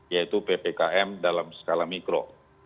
yaitu ppkm dalam skala mikro